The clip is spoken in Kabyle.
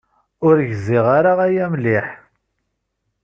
Ur gziɣ ara aya mliḥ.